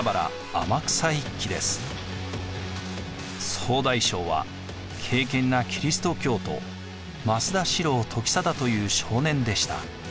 総大将は敬けんなキリスト教徒益田四郎時貞という少年でした。